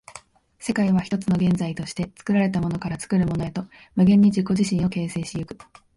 世界は一つの現在として、作られたものから作るものへと無限に自己自身を形成し行く。